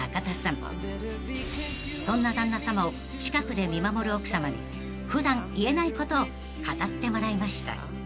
［そんな旦那さまを近くで見守る奥さまに普段言えないことを語ってもらいました］